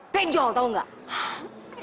penjol tau nggak